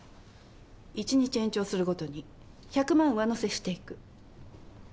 １日延長するごとに１００万上乗せしていく。